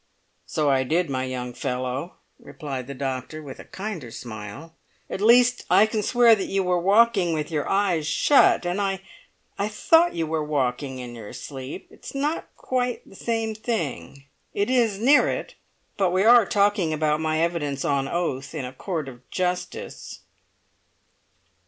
"So I did, my young fellow," replied the doctor, with a kinder smile; "at least I can swear that you were walking with your eyes shut, and I thought you were walking in your sleep. It's not quite the same thing. It is near it. But we are talking about my evidence on oath in a court of justice."